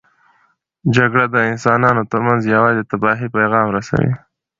جګړه د انسانانو ترمنځ یوازې د تباهۍ پیغام رسوي.